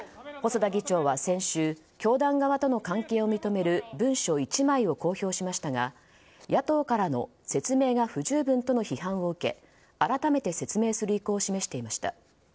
細田議長は先週教団側との関係を認める文書１枚を公表しましたが野党からの説明が不十分との批判を受け改めて説明する意向を示していました。